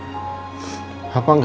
papa gak suka nak